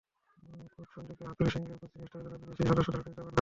Coach Chandika হাথুরুসিংহেসহ coaching স্টাফের অন্য বিদেশি সদস্যরা ছুটিতে যাবেন ঢাকায় এসে।